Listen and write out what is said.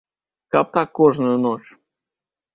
Каб так кожную ноч!